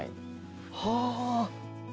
はあ！